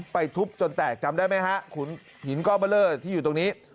ทุบจนแตกจำได้ไหมฮะขุนหินก้อนเบอร์เลอร์ที่อยู่ตรงนี้